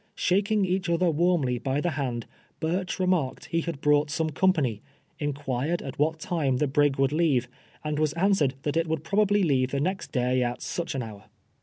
tShaking each other warmly by the hand, Burcli remarked he liad brought some company, inrpiired at what time the brig would leave, and was answered that it would probably leave tlie next day at such an hour.